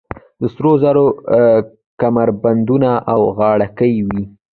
د سرو زرو کمربندونه او غاړکۍ وې